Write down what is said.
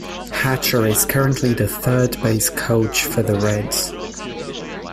Hatcher is currently the third base coach for the Reds.